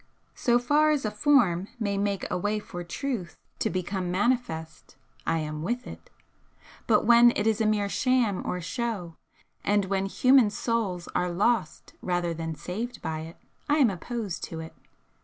So far as a 'form' may make a way for truth to become manifest, I am with it, but when it is a mere Sham or Show, and when human souls are lost rather than saved by it, I am opposed to it.